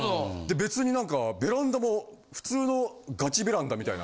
別に何かベランダも普通のガチベランダみたいな。